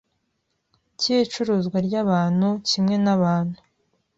cy icuruzwa ry abantu kimwe n abantu